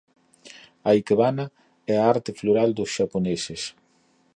A ikebana é a arte floral dos xaponeses.